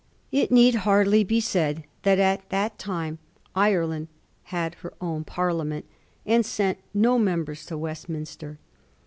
It need hardly be said that at that time Ireland had her own Parliament, and sent no members to Westminster.